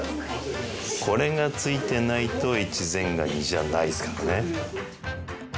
これがついてないと越前ガニじゃないからね。